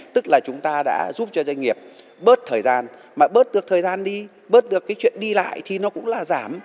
tức là chúng ta đã giúp cho doanh nghiệp bớt thời gian mà bớt được thời gian đi bớt được cái chuyện đi lại thì nó cũng là giảm